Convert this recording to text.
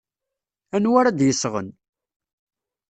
Anwa ara d-yesɣen?